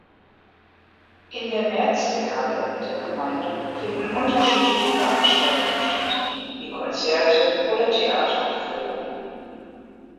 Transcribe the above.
In der Mehrzweckhalle der Gemeinde finden unterschiedliche Veranstaltungen statt, wie Konzerte oder Theateraufführungen.